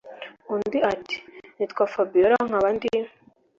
undi ati”nitwa fabiora nkaba ndi